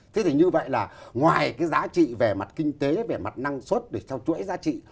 thế thì như vậy là ngoài cái giá trị về mặt kinh tế về mặt năng suất để theo chuỗi giá trị